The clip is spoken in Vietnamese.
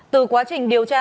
từ quá trình điều tra